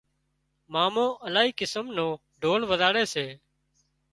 مامو االاهي قسم نو ڍول وزاڙي سي